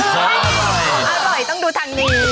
ของอร่อยต้องดูทางนี้